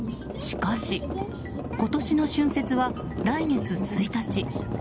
しかし、今年の春節は来月１日。